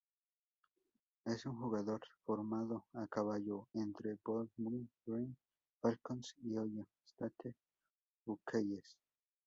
Es un jugador formado a caballo entre Bowling Green Falcons y Ohio State Buckeyes.